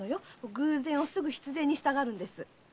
偶然をすぐ必然にしたがるの。